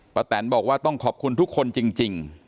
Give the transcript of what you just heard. แตนบอกว่าต้องขอบคุณทุกคนจริง